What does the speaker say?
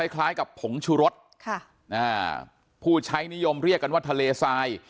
คล้ายกับผงชุรสผู้ใช้นิยมเรียกกันว่าทะเลทราย